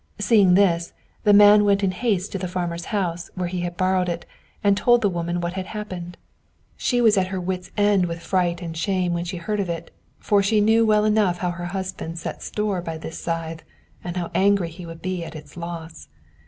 Seeing this, he went in haste to the farmer's house, where he had borrowed it, and told the woman what had happened; she was at her wits' end with fright and shame when she heard it, for she knew well enough how her husband set store by this scythe, and how angry he would be at its loss.